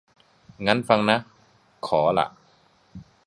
งั้นฟังนะ ขอล่ะ